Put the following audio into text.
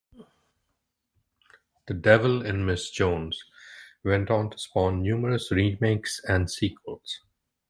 "The Devil in Miss Jones" went on to spawn numerous remakes and sequels.